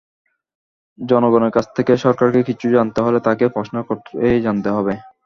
জনগণের কাছ থেকে সরকারকে কিছু জানতে হলে তাঁকে প্রশ্ন করেই জানতে হবে।